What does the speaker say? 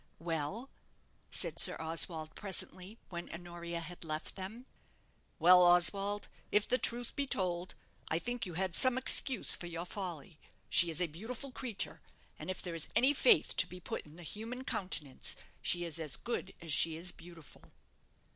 "Well?" asked Sir Oswald, presently, when Honoria had left them. "Well, Oswald, if the truth must be told, I think you had some excuse for your folly. She is a beautiful creature; and if there is any faith to be put in the human countenance, she is as good as she is beautiful."